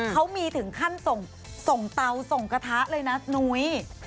เขามีถึงขั้นส่งเตาส่งกระทะเลยนะนุ้ย